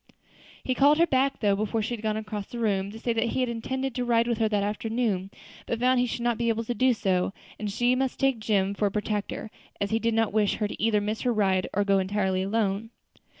He called her back though, before she had gone across the room, to say that he had intended to ride with her that afternoon, but found he should not be able to do so, and she must take Jim for a protector, as he did not wish her either to miss her ride or to go entirely alone.